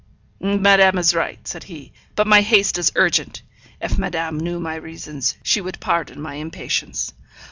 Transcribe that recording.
'Madame is right,' said he, 'but my haste is urgent. If madame knew my reasons, she would pardon my impatience.